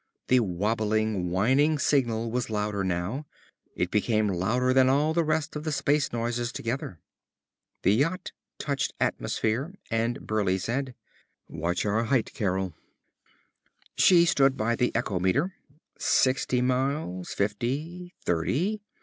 The wabbling, whining signal was louder now. It became louder than all the rest of the space noises together. The yacht touched atmosphere and Burleigh said; "Watch our height, Carol." She stood by the echometer. Sixty miles. Fifty. Thirty.